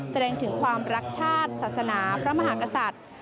แสดงถึงความรักชาติศาสนาพระมหากษัตริย์